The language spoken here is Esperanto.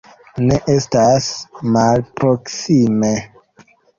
Ne estas malproksime.